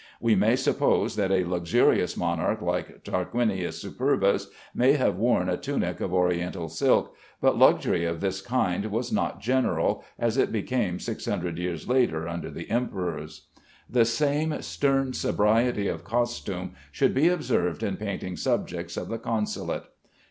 We may suppose that a luxurious monarch like Tarquinius Superbus may have worn a tunic of Oriental silk, but luxury of this kind was not general, as it became six hundred years later under the emperors. The same stern sobriety of costume should be observed in painting subjects of the Consulate.